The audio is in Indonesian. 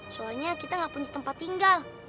soalnya kita nggak punya tempat tinggal